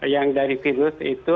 yang dari virus itu